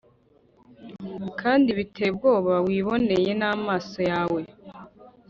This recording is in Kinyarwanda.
kandi biteye ubwoba wiboneye n’amaso yawe.